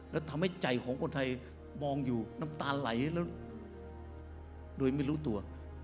แล้วทำให้ใจของคนไทยมองอยู่น้ำตาไหลแล้วโดยไม่รู้ตัว